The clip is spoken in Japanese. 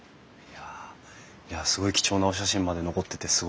いやすごい貴重なお写真まで残っててすごいですね。